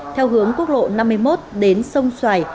theo hướng quốc lộ năm mươi một đến sông xoài